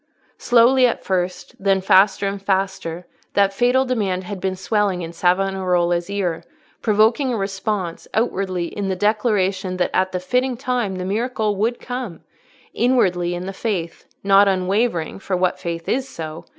Slowly at first, then faster and faster, that fatal demand had been swelling in Savonarola's ear, provoking a response, outwardly in the declaration that at the fitting time the miracle would come; inwardly in the faith—not unwavering, for what faith is so?